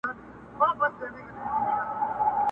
ښوونځی اکاډیمی پوهنتونونه؛